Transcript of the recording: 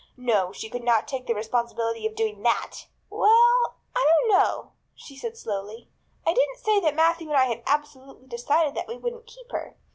No, she could not take the responsibility of doing that! "Well, I don't know," she said slowly. "I didn't say that Matthew and I had absolutely decided that we wouldn't keep her.